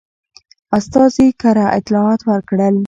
استازي کره اطلاعات ورکړل.